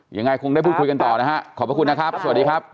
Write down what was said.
ยังไงคงได้พูดคุยกันต่อนะฮะขอบพระคุณนะครับสวัสดีครับ